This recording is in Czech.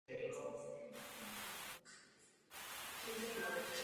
Byl také členem výboru Učitelské jednoty opavské a Ústředního spolku jednot učitelských.